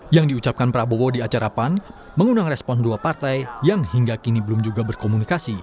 yang diucapkan prabowo di acara pan mengundang respon dua partai yang hingga kini belum juga berkomunikasi